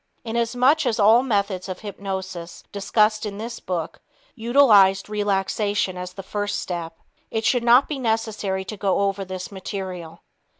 Inasmuch as all methods of hypnosis discussed in this book utilized relaxation as the first step, it should not be necessary to go over this material.